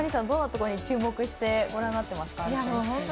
どんなところに注目してご覧になってますか？